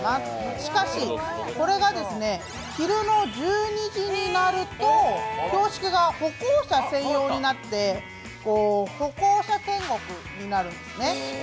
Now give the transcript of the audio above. しかし、それが昼の１２時になると標識が歩行者専用になって歩行者天国になるんですね。